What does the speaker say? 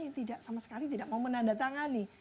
yang tidak sama sekali tidak mau menandatangani